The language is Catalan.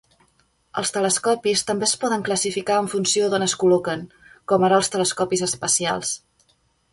Els telescopis també es poden classificar en funció d'on es col·loquen, com ara els telescopis espacials.